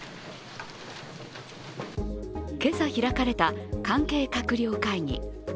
今朝、開かれた関係閣僚会議。